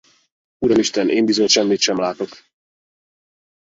Uramisten, én bizony semmit sem látok!